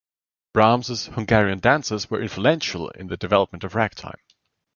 Brahms's "Hungarian Dances" were influential in the development of ragtime.